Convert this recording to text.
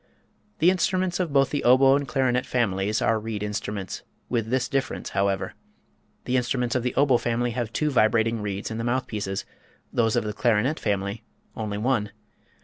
The instruments of both the oboe and clarinet families are reed instruments, with this difference, however: the instruments of the oboe family have two vibrating reeds in the mouthpieces; those of the clarinet family, only one.